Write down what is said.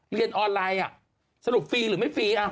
เรียนออนไลน์สรุปฟรีหรือไม่ฟรี